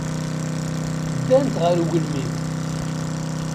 Ddant ɣer ugelmim.